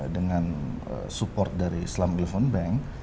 dengan support dari islam will home bank